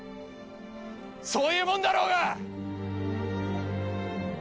そういうもんだろうが！